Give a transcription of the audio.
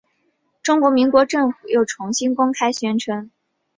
中华民国政府又重新公开宣称对大陆地区拥有主权。